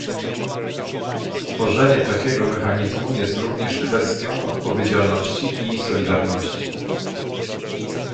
Stworzenie takiego mechanizmu jest również kwestią odpowiedzialności i solidarności